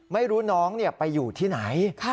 ไม่รู้น้องไปอยู่ที่ไหน